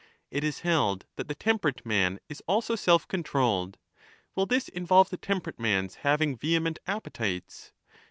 It is held that the temperate man is also self controlled. Will this involve the temperate man's having vehement appetites?